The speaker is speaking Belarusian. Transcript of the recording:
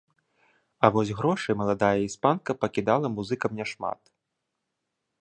А вось грошай маладая іспанка пакідала музыкам няшмат.